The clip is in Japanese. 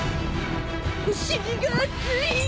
お尻が熱い。